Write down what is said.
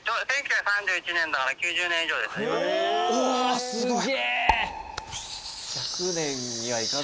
おすごい。